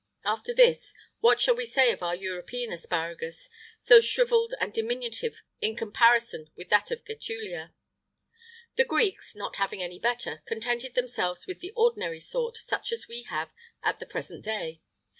[IX 47] After this, what shall we say of our European asparagus, so shrivelled and diminutive in comparison with that of Getulia? The Greeks, not having any better, contented themselves with the ordinary sort, such as we have at the present day.